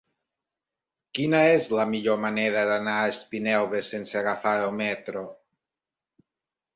Quina és la millor manera d'anar a Espinelves sense agafar el metro?